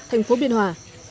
thành phố biên hòa